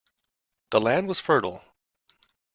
The land was fertile.